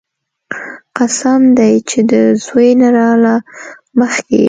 قسم دې چې د زوى نه راله مخکې يې.